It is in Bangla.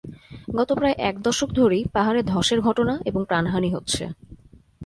গত প্রায় এক দশক ধরেই পাহাড়ে ধসের ঘটনা এবং প্রাণহানি হচ্ছে।